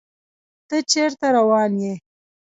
ته چيرته روان يې